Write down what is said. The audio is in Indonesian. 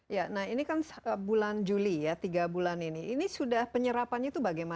ya nah ini kan bulan juli ya tiga bulan ini ini sudah penyerapannya itu bagaimana